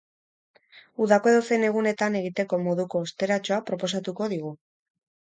Udako edozein egunetan egiteko moduko osteratxoa proposatuko digu.